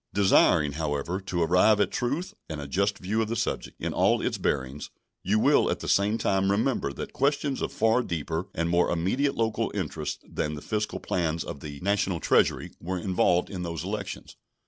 Desiring, however, to arrive at truth and a just view of the subject in all its bearings, you will at the same time remember that questions of far deeper and more immediate local interest than the fiscal plans of the National Treasury were involved in those elections.